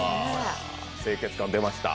清潔感、出ました。